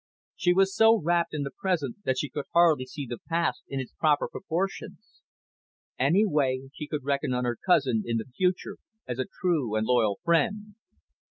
She was so wrapped in the present that she could hardly see the past in its proper proportions. Anyway, she could reckon on her cousin in the future as a true and loyal friend.